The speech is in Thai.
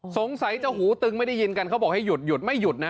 สงสัยจะหูตึงไม่ได้ยินกันเขาบอกให้หยุดหยุดไม่หยุดนะ